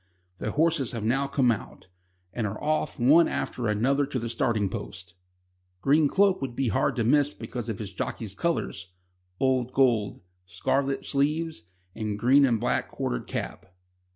The horses have now come out, and are off one after another to the starting post. Green Cloak would be hard to miss because of his jockey's colours old gold, scarlet sleeves, and green and black quartered cap.